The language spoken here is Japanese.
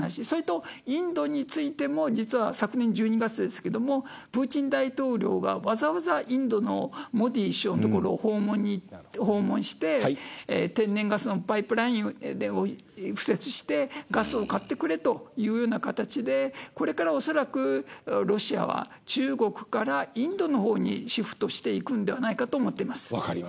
それと、インドについても昨年、１２月ですけどもプーチン大統領がわざわざインドのモディ首相のところを訪問して天然ガスのパイプラインを敷設してガスを買ってくれというような形でこれからおそらくロシアは中国からインドの方にシフトしていくんではないかと思っています。